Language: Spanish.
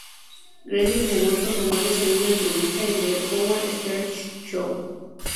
Grenier negó estos rumores en una entrevista en "The Howard Stern Show".